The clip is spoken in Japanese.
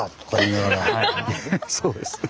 そうです。